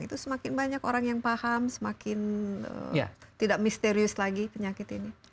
itu semakin banyak orang yang paham semakin tidak misterius lagi penyakit ini